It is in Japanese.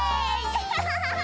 アハハハ！